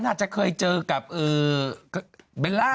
น่าจะเคยเจอกับเบลล่า